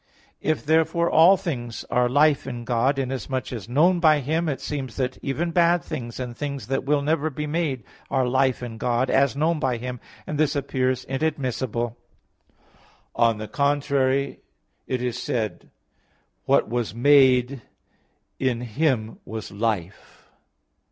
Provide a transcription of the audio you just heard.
If, therefore, all things are life in God, inasmuch as known by Him, it seems that even bad things and things that will never be made are life in God, as known by Him, and this appears inadmissible. On the contrary, (John 1:3, 4), it is said, "What was made, in Him was life."